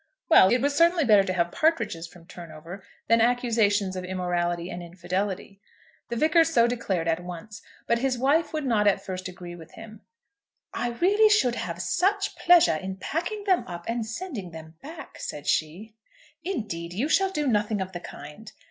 Well; it was certainly better to have partridges from Turnover than accusations of immorality and infidelity. The Vicar so declared at once, but his wife would not at first agree with him. "I really should have such pleasure in packing them up and sending them back," said she. "Indeed, you shall do nothing of the kind."